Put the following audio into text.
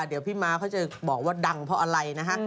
เดี๋ยวพี่ม้าเขาจะบอกว่าดังเพราะอะไรนะฮะ